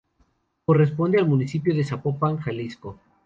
Corresponde al Municipio de Zapopan, Jalisco.